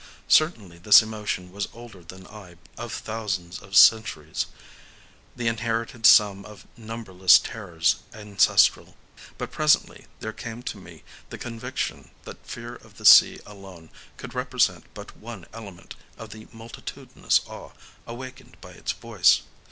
Certainly this emotion was older than I by thousands of thousands of centuries,—the inherited sum of numberless terrors ancestral. But presently there came to me the conviction that fear of the sea alone could represent but one element of the multitudinous awe awakened by its voice.